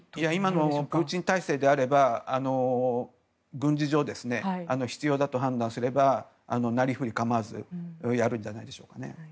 今のプーチン体制であれば軍事上必要だと判断すればなりふり構わずやるんじゃないでしょうか。